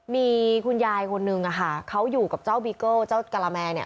มีคุณยายคนนึงอะค่ะเขาอยู่กับเจ้าบีโก้เจ้ากะละแมเนี่ย